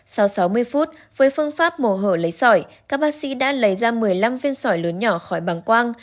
sau sáu mươi phút với phương pháp mổ hở lấy sỏi các bác sĩ đã lấy ra một mươi năm viên sỏi lớn nhỏ khỏi bằng quang